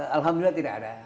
alhamdulillah tidak ada